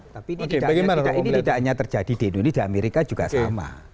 tapi ini tidak hanya terjadi di indonesia di amerika juga sama